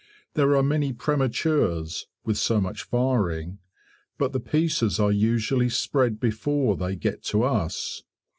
There are many prematures (with so much firing) but the pieces are usually spread before they get to us.